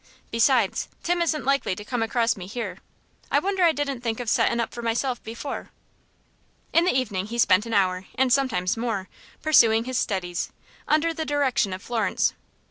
"Besides, Tim isn't likely to come across me here. I wonder I didn't think of settin' up for myself before!" In the evening he spent an hour, and sometimes more, pursuing his studies, under the direction of Florence.